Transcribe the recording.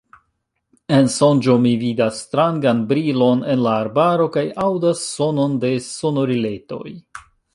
En sonĝo mi vidas strangan brilon en la arbaro kaj aŭdas sonon de sonoriletoj.